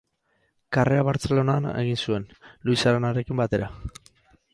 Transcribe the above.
Karrera Bartzelona egin zuen, Luis Aranarekin batera.